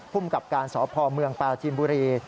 พุ่มกับการสอบพอร์เมืองปราจิมบุรี